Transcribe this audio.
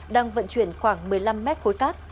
đang vận chuyển khoảng một mươi năm mét khối cát